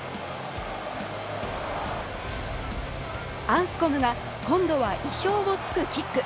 アンスコムが今度は意表を突くキック。